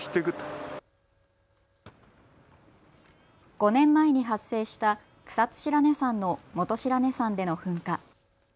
５年前に発生した草津白根山の本白根山での噴火。